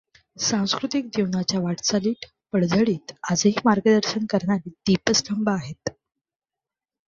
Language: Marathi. सांस्कृतिक जीवनाच्या वाटचालीत, पडझडीत आजही मार्गदर्शन करणारे दीपस्तंभ आहेत.